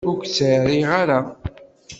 Ur k-ttɛerriɣ ara.